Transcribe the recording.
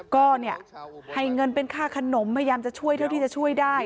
ก็เนี่ยให้เงินเป็นค่าขนมพยายามจะช่วยเท่าที่จะช่วยได้